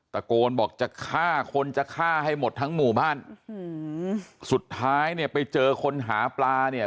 ตะโกนบอกจะฆ่าคนจะฆ่าให้หมดทั้งหมู่บ้านสุดท้ายเนี่ยไปเจอคนหาปลาเนี่ย